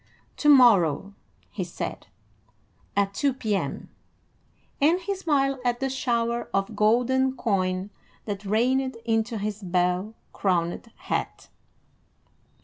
"To morrow," he said, "at two P.M.;" and he smiled at the shower of golden coin that rained into his bell crowned hat.